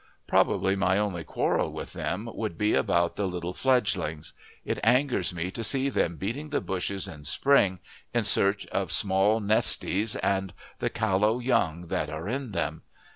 Probably my only quarrel with them would be about the little fledgelings: it angers me to see them beating the bushes in spring in search of small nesties and the callow young that are in them.